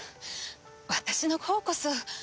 私のほうこそ。